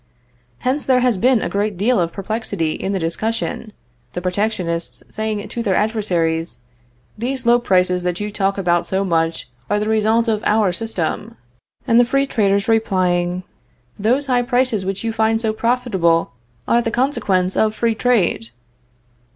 Hence there has been a deal of perplexity in the discussion, the protectionists saying to their adversaries: "These low prices that you talk about so much are the result of our system;" and the free traders replying: "Those high prices which you find so profitable are the consequence of free trade."